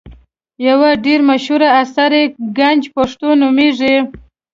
یو ډېر مشهور اثر یې ګنج پښتو نومیږي.